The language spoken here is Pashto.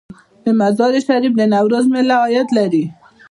د مزار شریف د نوروز میله عاید لري؟